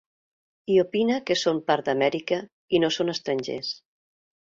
I opina que són part d'Amèrica, i no són estrangers.